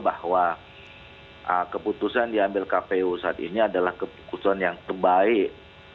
bahwa keputusan diambil kpu saat ini adalah keputusan yang terbaik